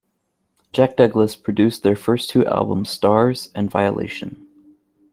Jack Douglas produced their first two albums "Starz" and "Violation".